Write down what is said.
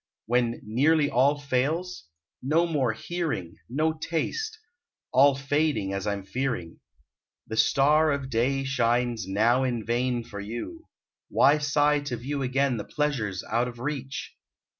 When nearly all fails? no more hearing No taste all fading, as I'm fearing. The star of day shines now in vain For you: why sigh to view again The pleasures out of reach?